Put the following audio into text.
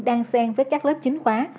đang sen với các lớp chính khóa